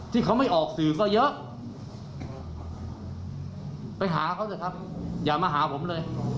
ที่เขาไม่ออกสื่อก็เยอะไปหาเขาเถอะครับอย่ามาหาผมเลย